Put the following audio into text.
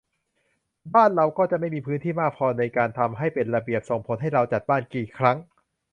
บ้านเราก็จะไม่มีพื้นที่มากพอในการทำให้เป็นระเบียบ ส่งผลให้เราจัดบ้านกี่ครั้ง